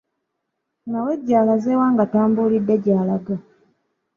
Mawejje alaze wa nga tambuulidde gy'alaga?